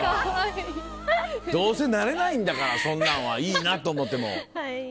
どうせなれないんだからそんなんはいいな！と思っても。